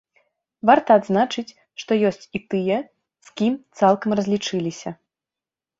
Варта адзначыць, што ёсць і тыя, з кім цалкам разлічыліся.